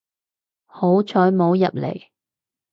好彩冇入嚟